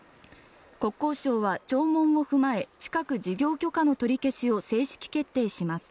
国交省は聴聞を踏まえ近く事業許可の取り消しを正式決定します